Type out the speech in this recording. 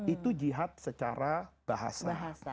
itu jihad secara bahasa